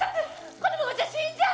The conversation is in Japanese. このままじゃ死んじゃう！